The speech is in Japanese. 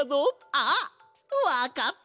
あっわかったぞ！